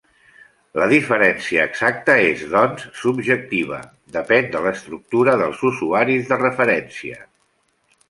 La diferència exacta és, doncs, subjectiva, depèn de l'estructura dels usuaris de referència.